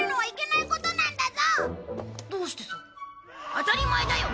当たり前だよ。